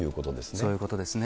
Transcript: そういうことですね。